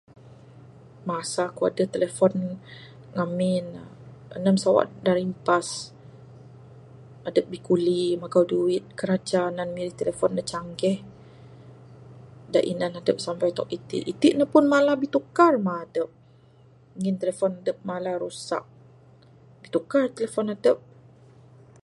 Masa kuk aduh telefon ngamin ne, enum sawa' da rimpas. Adup bikuli magau duit, kiraja nan mirih telefon da canggih da inan adup samai tok iti' ne. Iti' ne malar bitukar mah adup, ngin telefon dup malar rusak. Bitukar telefon adup.